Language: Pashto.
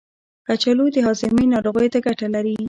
کچالو د هاضمې ناروغیو ته ګټه لري.